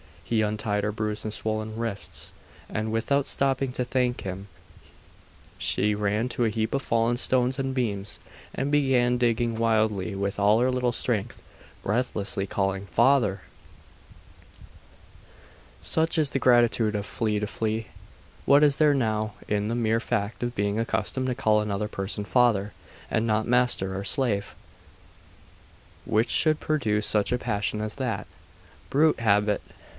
He untied her bruised and swollen wrists; and without stopping to thank him, she ran to a heap of fallen stones and beams, and began digging wildly with all her little strength, breathlessly calling 'Father!' 'Such is the gratitude of flea to flea! What is there, now, in the mere fact of being accustomed to call another person father, and not master, or slave, which should produce such passion as that?.... Brute habit!....